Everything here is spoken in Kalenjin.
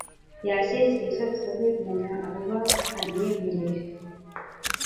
yachech kechop sobet nenyo akoba haliyet ne lel